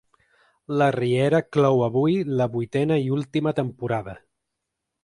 La Riera clou avui la vuitena i última temporada.